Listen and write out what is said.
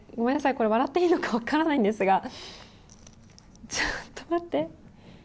これ、笑っていいのか分からないんですがちょっと待って。